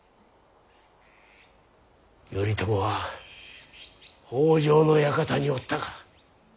頼朝は北条の館におったか。